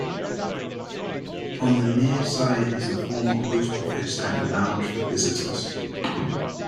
On the near side is the former post office and a lounge for visitors.